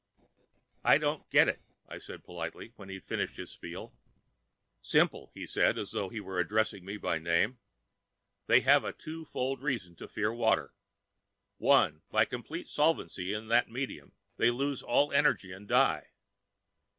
"I don't get it," I said politely, when he'd finished his spiel. "Simple," he said, as though he were addressing me by name. "They have a twofold reason to fear water. One: by complete solvency in that medium, they lose all energy and die.